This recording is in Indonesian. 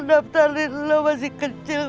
daptarin lo masih kecil